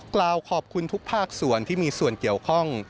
กล่าวขอบคุณทุกภาคส่วนที่มีส่วนเกี่ยวข้อง